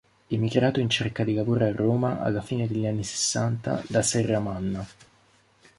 Emigrato in cerca di lavoro a Roma alla fine degli anni sessanta, da Serramanna.